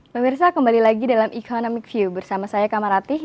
pemirsa kembali lagi dalam economic view bersama saya kamaratih